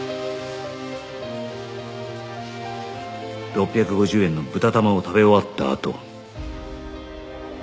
６５０円の豚玉を食べ終わったあと